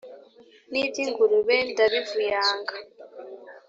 N'iby'ingurube ndabivuyanga!